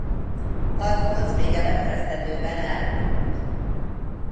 Alfonz még ebben az esztendőben elhunyt.